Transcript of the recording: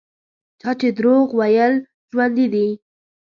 چا چې دروغ ویل ژوندي دي.